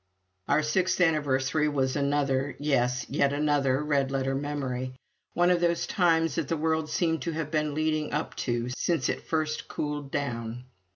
Our sixth anniversary was another, yes, yet another red letter memory one of those times that the world seemed to have been leading up to since it first cooled down.